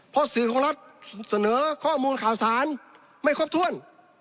เพราะสื่อของรัฐเสนอข้อมูลข่าวสารไม่ครบถ้วน